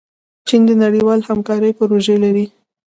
چین د نړیوالې همکارۍ پروژې لري.